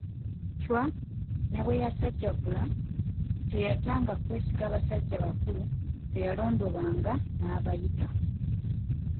Chwa ne bwe yasajjakula teyatanga kwesiga basajja bakulu be yalondobanga n'abayita.